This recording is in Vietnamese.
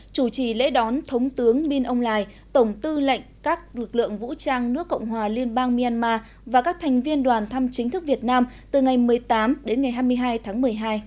chủ trì lễ đón thống tướng minh ông lài tổng tư lệnh các lực lượng vũ trang nước cộng hòa liên bang myanmar và các thành viên đoàn thăm chính thức việt nam từ ngày một mươi tám đến ngày hai mươi hai tháng một mươi hai